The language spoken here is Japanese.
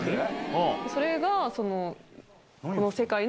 それが。